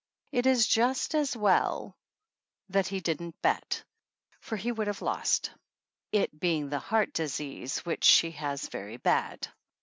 It is just as well that he didn't bet, for he would have lost, it being the heart disease which she has very bad.